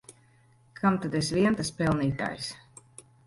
Kam tad es vien tas pelnītājs!